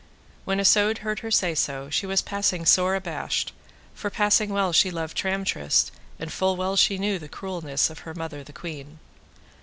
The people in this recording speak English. When Isoud heard her say so she was passing sore abashed, for passing well she loved Tramtrist, and full well she knew the cruelness of her mother the queen.